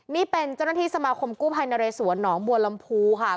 นี่เป็นเจ้าหน้าที่สมาคมกู้ภัยนเรสวนหนองบัวลำพูค่ะ